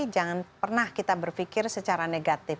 jangan pernah kita berpikir secara negatif